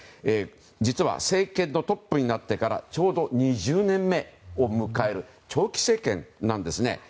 実は、政権のトップになってからちょうど２０年目を迎える長期政権なんですね。